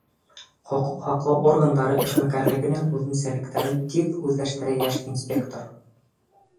Хоҡуҡ һаҡлау органдары эшмәкәрлегенең үҙенсәлектәрен тиҙ үҙләштерә йәш инспектор.